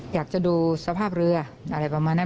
อยากจะดูสภาพเรืออะไรประมาณนั้น